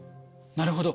なるほど。